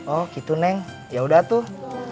oh gitu neng yaudah tuh